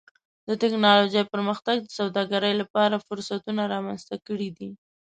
د ټکنالوجۍ پرمختګ د سوداګرۍ لپاره فرصتونه رامنځته کړي دي.